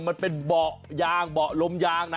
มันเป็นเบาะยางเบาะลมยางนะ